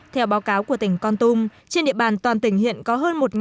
theo báo cáo của tỉnh con tum trên địa bàn toàn tỉnh hiện có hơn một tỉnh